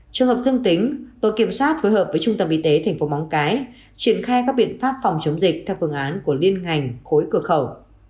trường hợp dương tính tổ kiểm soát phối hợp với trung tâm y tế tp móng cái triển khai các biện pháp phòng chống dịch theo phương án của liên ngành khối cửa khẩu